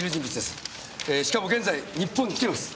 しかも現在日本に来てます。